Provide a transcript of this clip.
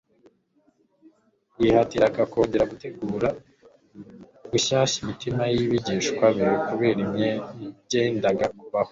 yihatiraga kongera gutegura bushyashya imitima y'abigishwa be kubera ibyendaga kubaho.